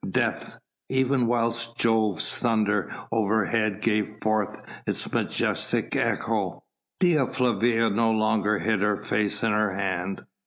Death!" even whilst Jove's thunder overhead gave forth its majestic echo. Dea Flavia no longer hid her face in her hand.